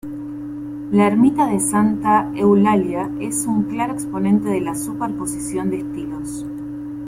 La ermita de Santa Eulalia es un claro exponente de la superposición de estilos.